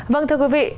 vâng thưa quý vị